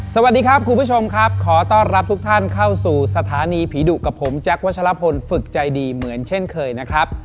สวัสดีครับคุณผู้ชมครับขอต้อนรับทุกท่านเข้าสู่สถานีผีดุกับผมแจ๊ควัชลพลฝึกใจดีเหมือนเช่นเคยนะครับ